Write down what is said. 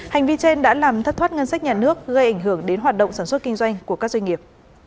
hành vi trên đã làm thất thoát ngân sách nhà nước gây ảnh hưởng đến hoạt động sản xuất kinh doanh của các doanh nghiệp